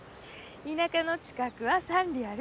「田舎の近くは三里ある」